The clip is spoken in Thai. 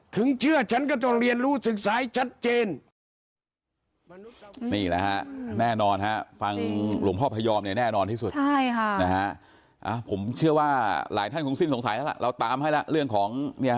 ถึงเชื่อฉันก็ต้องเรียนรู้ศึกษาให้ชัดเจน